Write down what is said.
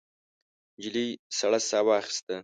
نجلۍ سړه ساه واخیسته.